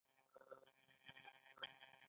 سړی یې غیر منصفانه اضافه ستانۍ بللای شي.